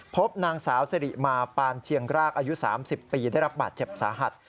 พบนางสาวสิริมาปานเชียงรากอายุ๓๐ปีได้รับบาดเจ็บสาหัส